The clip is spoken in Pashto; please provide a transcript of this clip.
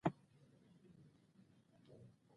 انټرنیټ کارونه چټکوي